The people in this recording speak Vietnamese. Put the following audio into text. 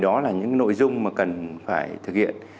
đó là những nội dung mà cần phải thực hiện